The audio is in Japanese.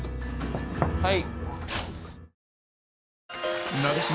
はい。